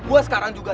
gue sekarang juga